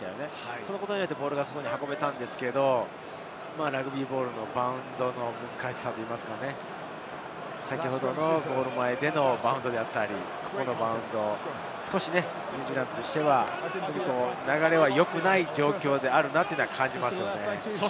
そのことによってボールが運べたんですけれど、ラグビーボールのバウンドの難しさ、ゴール前でのバウンドであったり、今のバウンド、少しニュージーランドとしては、流れはよくない状況であるなと感じますね。